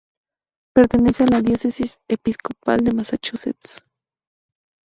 Pertenece a la Diócesis Episcopal de Massachusetts.